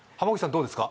どうですか？